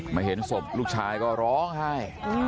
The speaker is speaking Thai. เห็นศพลูกชายก็ร้องไห้